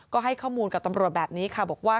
ก็ให้ข้อมูลกับตำรวจแบบนี้ค่ะบอกว่า